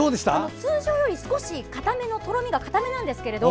通常より少しとろみがかためなんですけど